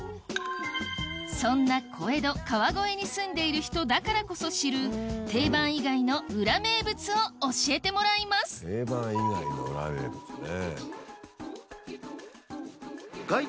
そんな小江戸川越に住んでいる人だからこそ知る定番以外の裏名物を教えてもらいます定番以外の裏名物ね。